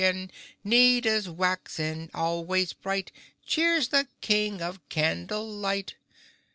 Neat as wax and always bright, Cheer's the King of candle light!